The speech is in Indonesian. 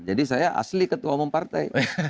saya asli ketua umum partai